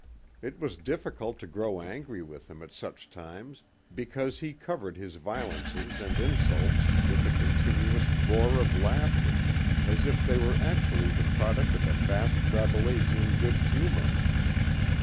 It was difficult to grow angry with him at such times because he covered his violences and insults with a continuous roar of laughter as if they were actually the product of a vast Rabelaisian good humor.